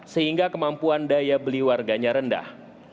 sehingga kemampuan daya beli warganya rendah